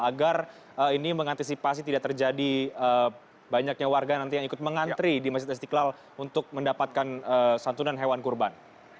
agar ini mengantisipasi tidak terjadi banyaknya warga nanti yang ikut mengantri di masjid istiqlal untuk mendapatkan santunan hewan kurban